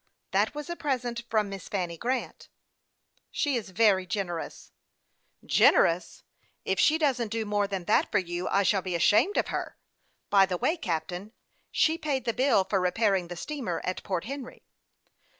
"That was a present from Miss Fanny Grant." " She is very generous." " Generous ! If she doesn't do more than that for you, I shall be ashamed of her. By the way, Cap tain, she paid the bill for repairing the steamer at Port Henry."